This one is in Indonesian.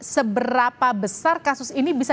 seberapa besar kasus ini bisa